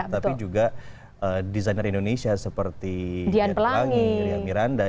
tapi juga desainer indonesia seperti dian pelangi ria miranda